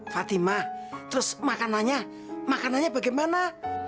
fatimah terus makanannya makanannya bagaimana